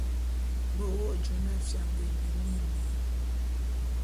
Be wo jona fianga é ne miné.